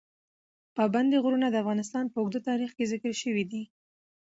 پابندی غرونه د افغانستان په اوږده تاریخ کې ذکر شوی دی.